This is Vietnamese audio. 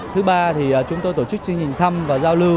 thứ ba thì chúng tôi tổ chức chương trình thăm và giao lưu